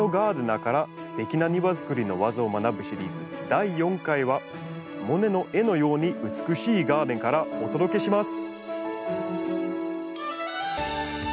第４回はモネの絵のように美しいガーデンからお届けします。